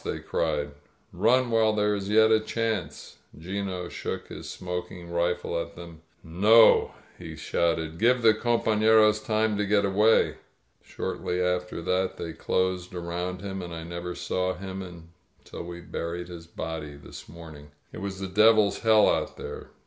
they crie4*'?9f *Run while there is yet a chance!' 'Gino shook hi|^ smoking rifle at them. ^>No,' he shouted. ^Give the compafleroa time to get away!' Shortly after that they closed around him, and I never saw him until we buried his body this morning. ••• It was the devil's hell out there.